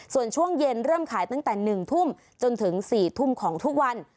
ส่วนช่วงเย็นเริ่มขายตั้งแต่๑ทุ่มจนถึง๔ทุ่มของทุกวัน